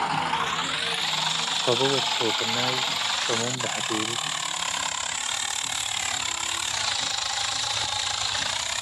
ከቦ ወድ-ሾክኖይ ጭሙም ለሀፌቡ